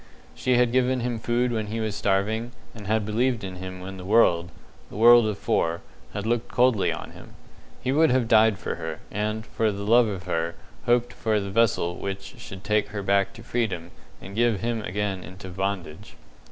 She had given him food when he was starving, and had believed in him when the world the world of four had looked coldly on him. He would have died for her, and, for love of her, hoped for the vessel which should take her back to freedom and give him again into bondage.